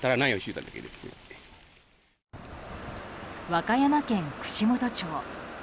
和歌山県串本町。